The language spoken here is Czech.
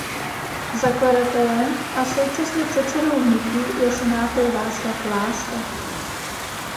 Zakladatelem a současně předsedou hnutí je senátor Václav Láska.